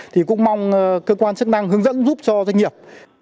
thì cũng mong cơ quan chức năng hướng dẫn giúp cho doanh nghiệp